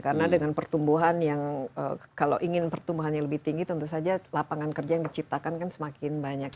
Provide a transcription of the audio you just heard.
karena dengan pertumbuhan yang kalau ingin pertumbuhan yang lebih tinggi tentu saja lapangan kerja yang diciptakan kan semakin banyak